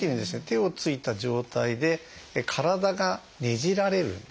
手をついた状態で体がねじられるんですね。